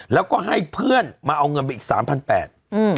แล้วก็ให้เพื่อนมาเอาเงินไปอีก๓๘๐๐บาท